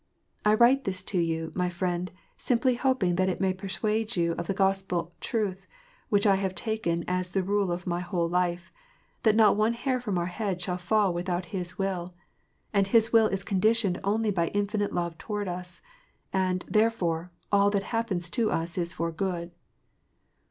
I write this to you, my friend, simply hoping that it may persuade you of the Gospel truth, which I have taken as the rule of my whole life: that not one hair from our head shall fall without His will. And His will is conditioned only by infinite love toward us ; and, therefore, all that happens to us is for our ^ood.